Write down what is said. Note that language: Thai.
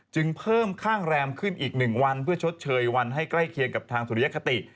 จึงเพิ่มข้างแรมขึ้นอีก๑วันเพื่อชดเชยวันให้ใกล้เคียงกับทางสุริยคติ